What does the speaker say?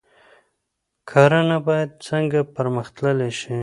کرنه باید څنګه پرمختللې شي؟